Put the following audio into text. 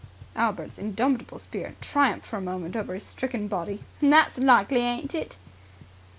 Albert's indomitable spirit triumphed for a moment over his stricken body. "That's likely, ain't it!"